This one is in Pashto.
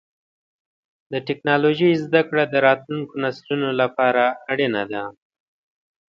د ټکنالوجۍ زدهکړه د راتلونکو نسلونو لپاره اړینه ده.